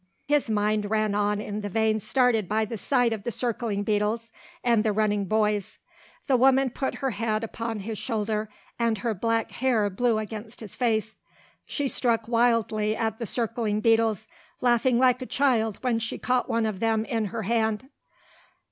His mind ran on in the vein started by the sight of the circling beetles and the running boys. The woman put her head upon his shoulder and her black hair blew against his face. She struck wildly at the circling beetles, laughing like a child when she had caught one of them in her hand.